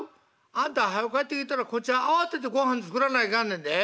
あんたがはよ帰ってきたらこっちは慌ててごはん作らないかんねんで。